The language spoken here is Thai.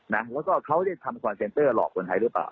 แล้วก็เขาได้ทำคอนเซนเตอร์หลอกคนไทยหรือเปล่า